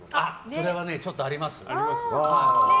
それはね、ちょっとあります。